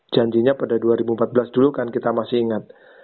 janjinya pada dua ribu empat belas dulu kan kita masih ingat